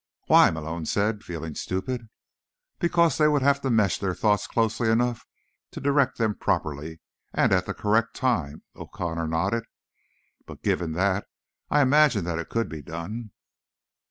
"Why?" Malone said, feeling stupid. "Because they would have to mesh their thoughts closely enough to direct them properly and at the correct time." O'Connor nodded. "But, given that, I imagine that it could be done."